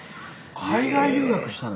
海外留学したの。